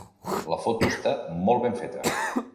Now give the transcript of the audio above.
La foto està molt ben feta.